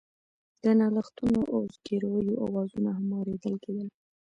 د نالښتونو او زګيرويو آوازونه هم اورېدل کېدل.